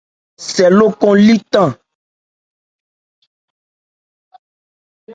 Sɛ lókɔn li tan.